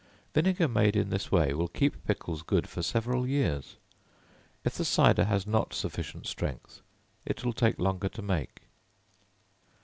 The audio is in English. Vinegar made in this way will keep pickles good for several years. If the cider has not sufficient strength it will take longer to make.